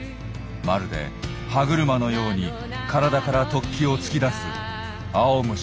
まるで歯車のように体から突起を突き出す青虫だ。